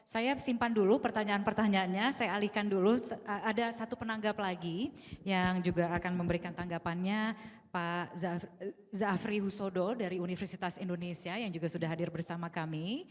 saya simpan dulu pertanyaan pertanyaannya saya alihkan dulu ada satu penanggap lagi yang juga akan memberikan tanggapannya pak zafri husodo dari universitas indonesia yang juga sudah hadir bersama kami